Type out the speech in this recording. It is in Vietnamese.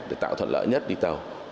để tạo thuận lợi nhất đi tàu